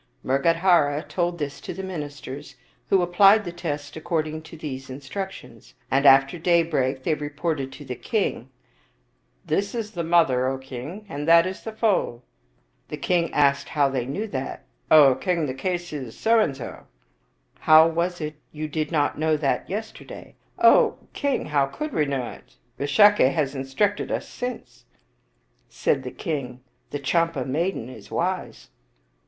Mrgadhara told this to the ministers, who applied the test according to these instructions, and after daybreak they re ported to the king, " This is the mother, O king, and that is the foal." The king asked how they knew that. " O king, the case is so and so." " How was it you did not know that yesterday?" '* O king, how could we know it ? Visakha has instructed us since." Said the king, " The Champa maiden is wise."